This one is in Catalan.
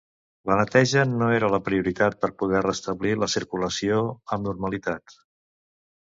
La neteja no era la prioritat per poder restablir la circulació amb normalitat.